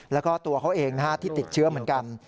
แล้วก็ตัวเขาเองที่ติดเชื้อเหมือนกัน